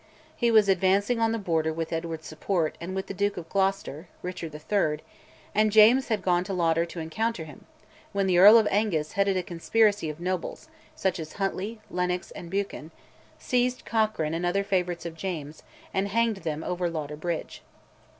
He was advancing on the Border with Edward's support and with the Duke of Gloucester (Richard III.), and James had gone to Lauder to encounter him, when the Earl of Angus headed a conspiracy of nobles, such as Huntly, Lennox, and Buchan, seized Cochrane and other favourites of James, and hanged them over Lauder Bridge.